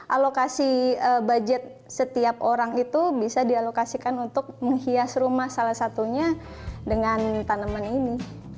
alokasi budget setiap orang itu bisa dialokasikan untuk menghias rumah salah satunya dengan tanaman ini